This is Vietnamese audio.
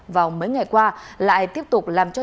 vào mấy ngày qua lại tiếp tục làm cho